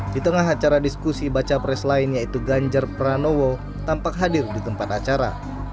di tengah acara diskusi baca pres lain yaitu ganjar pranowo tampak hadir di tempat acara